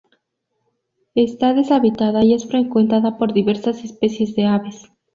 Está deshabitada y es frecuentada por diversas especies de aves.